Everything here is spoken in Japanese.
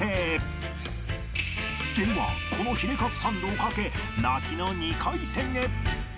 このヒレカツサンドを賭け泣きの２回戦へ